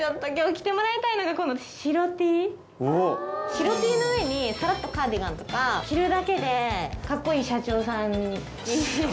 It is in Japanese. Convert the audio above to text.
白Ｔの上にさらっとカーディガンとか着るだけでカッコいい社長さんに見える。